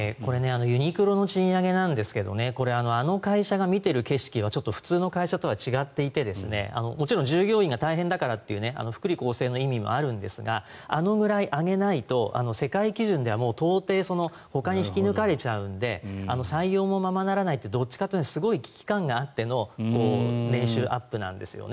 ユニクロの賃上げなんですがあの会社が見ている景色は普通の会社とは違っていてもちろん従業員が大変だからという福利厚生の意味もあるんですがあのぐらい上げないと世界基準では到底ほかに引き抜かれちゃうので採用もままならないというどっちかというとすごい危機感があっての年収アップなんですよね。